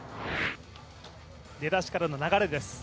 出だしからの流れです。